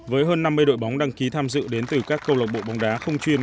với hơn năm mươi đội bóng đăng ký tham dự đến từ các câu lộc bộ bóng đá không chuyên